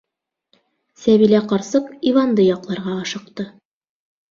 Сәбилә ҡарсыҡ Иванды яҡларға ашыҡты.